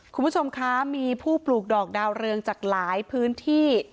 คุณผู้ชมคะมีผู้ปลูกดอกดาวเรืองจากหลายพื้นที่